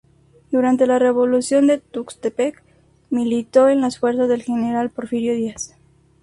Durante la Revolución de Tuxtepec militó en las fuerzas del general Porfirio Díaz.